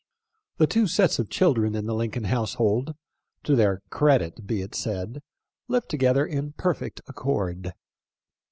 The two sets of children in the Lincoln house hold — to their credit be it said — lived together in perfect accord.